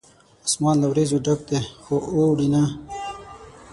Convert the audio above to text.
اسمان له وریځو ډک دی ، خو اوري نه